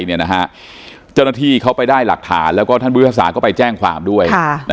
เจ้าหน้าที่เขาไปได้หลักฐานแล้วก็ท่านผู้พิพากษาก็ไปแจ้งความด้วย